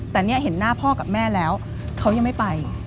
แต่เนี่ยเห็นหน้าพ่อกับแม่แล้วเขายังไม่ไป